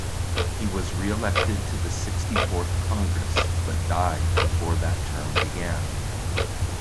He was reelected to the Sixty-fourth Congress but died before that term began.